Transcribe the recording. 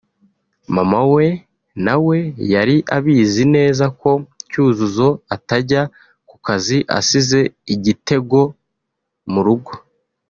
Mama we na we yari abizi neza ko Cyuzuzo atajya ku kazi asize Igitego mu rugo